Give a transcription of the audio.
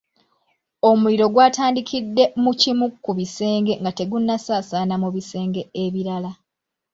Omuliro gw'atandikidde mu kimu ku bisenge nga tegunnasaasaana mu bisenge ebirala.